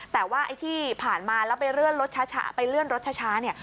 แต่ว่าไอ้ที่ผ่านมาแล้วไปเลื่อนรถช้าไปเลื่อนรถช้าเนี่ย